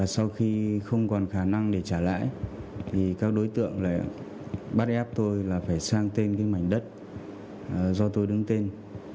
sau khi không còn khả năng để trả lại các đối tượng bắt ép tôi là phải sang tên mảnh đất do tôi đứng tên